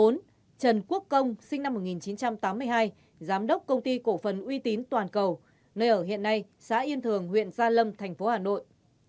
bốn trần quốc công sinh năm một nghìn chín trăm tám mươi hai giám đốc công ty cổ phần uy tín toàn cầu nơi ở hiện nay xã yên thường huyện gia lâm thành phố hà nội